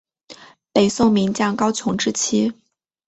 北宋名将高琼之妻。